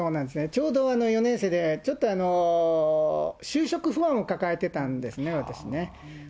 ちょうど４年生で、ちょっと就職不安を抱えてたんですね、私ね。